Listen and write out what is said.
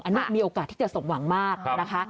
อันนี้มีโอกาสที่จะสมหวังมากนะคะ